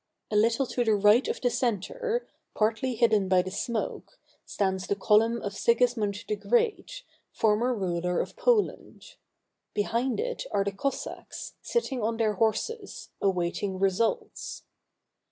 A little to the right of the center, partly hidden by the smoke, stands the column of Sigismund the Great, former ruler of Poland. Behind it are the Cossacks, sitting on their horses, awaiting results.